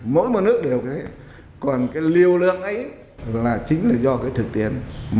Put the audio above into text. mỗi một nước đều thế còn cái liều lượng ấy là chính là do cái thực tiễn